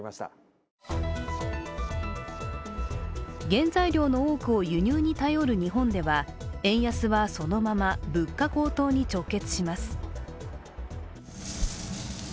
原材料の多くを輸入に頼る日本では円安はそのまま物価高騰に直結します。